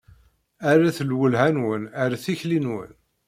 Rret lwelha-nwen ar tikli-nwen.